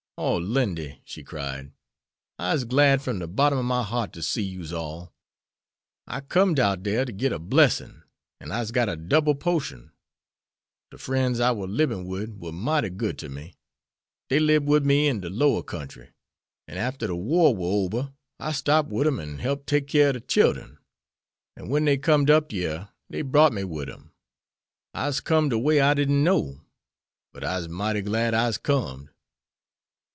"Oh, Lindy," she cried, "I'se glad from de bottom ob my heart ter see you's all. I com'd out dere ter git a blessin', an' I'se got a double po'tion. De frens I war libin' wid war mighty good ter me. Dey lib'd wid me in de lower kentry, an' arter de war war ober I stopped wid 'em and helped take keer ob de chillen; an' when dey com'd up yere dey brought me wid 'em. I'se com'd a way I didn't know, but I'se mighty glad I'se com'd."